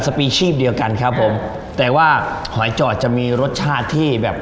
ปีชีพเดียวกันครับผมแต่ว่าหอยจอดจะมีรสชาติที่แบบ